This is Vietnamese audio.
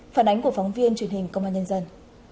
phản ánh của phóng viên truyền hình công an nhân dân